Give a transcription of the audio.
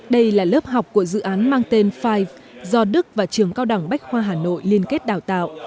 đây là lớp học của dự án mang tên five do đức và trường cao đẳng bách khoa hà nội liên kết đào tạo